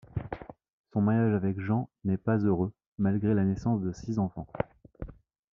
Son mariage avec Jean n'est pas heureux malgré la naissance de six enfants.